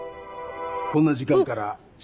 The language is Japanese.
・こんな時間から・わっ！